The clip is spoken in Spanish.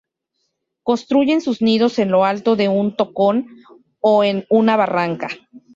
Construyen sus nidos en lo alto de un tocón o en una barranca.